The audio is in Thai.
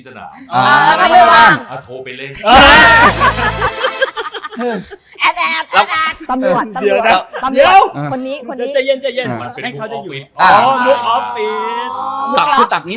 ส่งให้เขาผมเล่นบอลเสะบอล